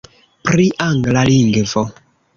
Pri angla lingvo.